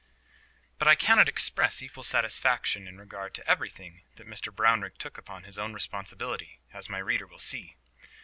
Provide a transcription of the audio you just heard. But I cannot express equal satisfaction in regard to everything that Mr Brownrigg took upon his own responsibility, as my reader will see.